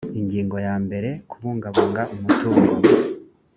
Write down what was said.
ingingo ya mbere kubungabunga umutungo